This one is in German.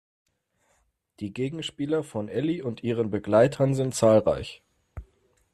Die Gegenspieler von Elli und ihren Begleitern sind zahlreich.